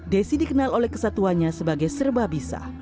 desi dikenal oleh kesatuannya sebagai serbabisah